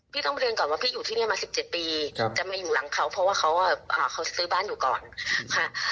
ต้องเรียนก่อนว่าพี่อยู่ที่นี่มา๑๗ปีจะมาอยู่หลังเขาเพราะว่าเขาซื้อบ้านอยู่ก่อนค่ะ